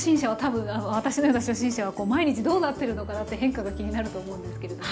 私のような初心者は毎日どうなってるのかなって変化が気になると思うんですけれども。